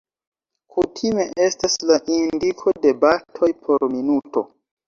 Kutime estas la indiko de batoj por minuto.